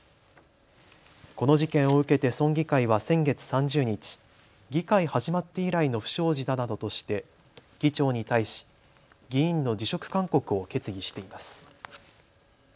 この事件を受けて村議会は先月３０日、議会始まって以来の不祥事だなどとして議長に対し議員の辞職勧告を決議しています。